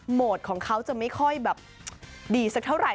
โหมดของเขาจะไม่ค่อยแบบดีสักเท่าไหร่